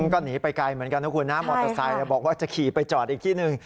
ก็หนีไปไกลเหมือนกันนะคุณนะมอเตอร์ไซค์บอกว่าจะขี่ไปจอดอีกที่หนึ่ง